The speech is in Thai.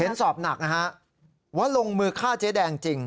สอบหนักนะฮะว่าลงมือฆ่าเจ๊แดงจริง